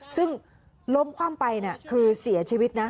ซึ่งล้มคว่ำไปคือเสียชีวิตนะ